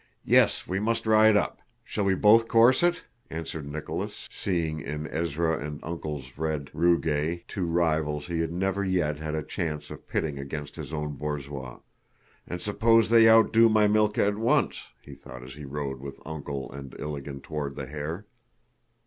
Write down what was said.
"Yes, we must ride up.... Shall we both course it?" answered Nicholas, seeing in Erzá and "Uncle's" red Rugáy two rivals he had never yet had a chance of pitting against his own borzois. "And suppose they outdo my Mílka at once!" he thought as he rode with "Uncle" and Ilágin toward the hare.